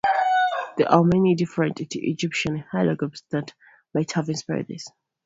There are many different Egyptian hieroglyphs that might have inspired this.